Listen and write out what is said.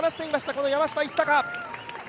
この山下一貴。